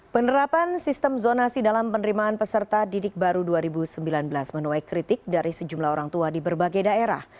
penerapan sistem zonasi dalam penerimaan peserta didik baru dua ribu sembilan belas menuai kritik dari sejumlah orang tua di berbagai daerah